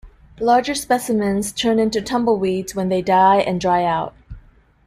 Larger specimens turn into tumbleweeds when they die and dry out.